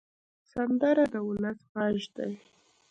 سندره د ولس غږ دی